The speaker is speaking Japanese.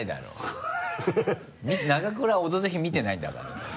永倉は「オドぜひ」見てないんだから。